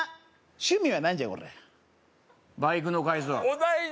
趣味は何じゃこらバイクの改造